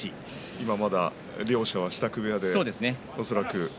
今、両者は支度部屋でおそらく。